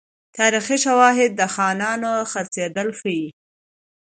تاریخي شواهد د خانانو خرڅېدل ښيي.